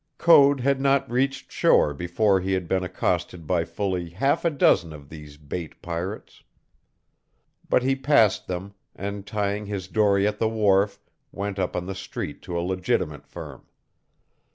Code had not reached shore before he had been accosted by fully half a dozen of these bait pirates. But he passed them, and tying his dory at the wharf, went on up the street to a legitimate firm.